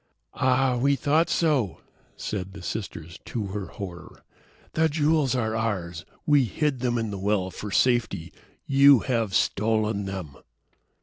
"Ah, we thought so," said the sisters, to her horror. "The jewels are ours. We hid them in the well for safety. You have stolen them."